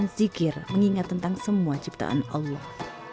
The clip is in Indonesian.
dengan zikir mengingat tentang semua ciptaan allah